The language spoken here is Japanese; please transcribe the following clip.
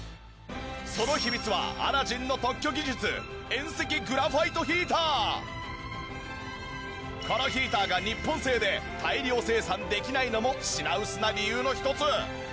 その秘密はアラジンのこのヒーターが日本製で大量生産できないのも品薄な理由の一つ。